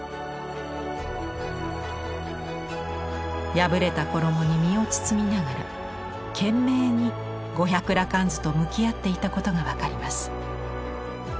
破れた衣に身を包みながら懸命に「五百羅漢図」と向き合っていたことが分かります。